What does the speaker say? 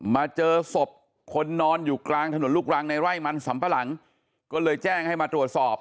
มาเจอศพคนนอนอยู่กลางถนนลูกรังในไร่มันสำปะหลังก็เลยแจ้งให้มาตรวจสอบ